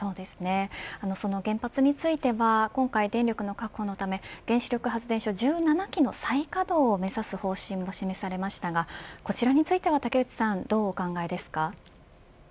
その原発については今回、電力の確保のため原子力発電所１７基の再稼働を目指す方針を示されましたがこちらについてはどうお考えですか。